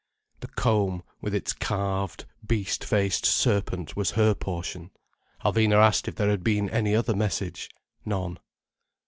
The comb with its carved, beast faced serpent was her portion. Alvina asked if there had been any other message. None.